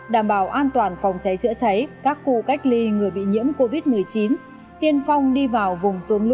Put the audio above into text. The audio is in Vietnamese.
đảm bảo an toàn phòng cháy chữa cháy các khu cách ly người bị nhiễm covid một mươi chín tiên phong đi vào vùng rốn lũ